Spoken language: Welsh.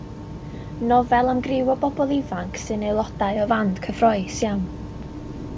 Nofel am griw o bobl ifanc sy'n aelodau o fand cyffrous iawn.